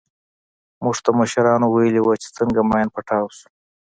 موږ ته مشرانو ويلي وو چې څنگه ماين پټاو سو.